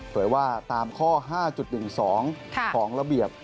ว่าตามข้อ๕๑๒ของระเบียบ